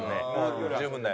十分だよ。